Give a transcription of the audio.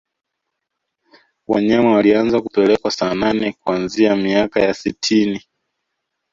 wanyama walianza kupelekwa saanane kuanzia miaka ya sitini